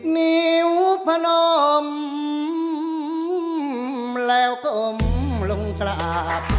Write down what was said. ๑๐นิ้วผนมแล้วกลมลงกลาก